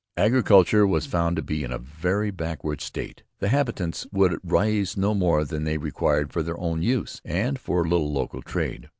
Agriculture was found to be in a very backward state. The habitants would raise no more than they required for their own use and for a little local trade.